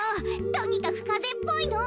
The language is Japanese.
とにかくかぜっぽいの。